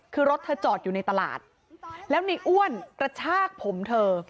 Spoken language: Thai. คือรถเธอจอดอยู่ในตลาดแล้วในอ้วนกระชากผมเธอ